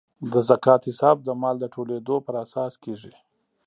د زکات حساب د مال د ټولیدو پر اساس کیږي.